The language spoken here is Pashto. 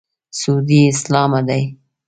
سعودي اسلامه دی.